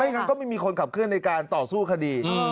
งั้นก็ไม่มีคนขับเคลื่อนในการต่อสู้คดี